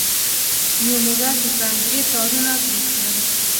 یو موږک د پنجرې تارونه پرې کړل.